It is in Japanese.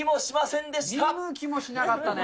見向きもしなかったね。